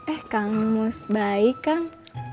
eh kang mus baik kang